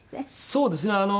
そうですね。